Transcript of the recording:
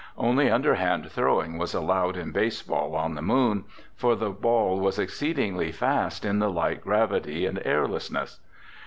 Only underhand throwing was allowed in baseball on the Moon, for the ball was exceedingly fast in the light gravity and airlessness.